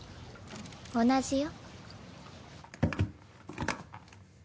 同じよ。